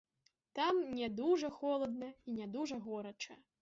Там не дужа холадна і не дужа горача.